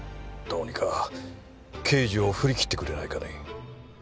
どうにか刑事を振り切ってくれないかね？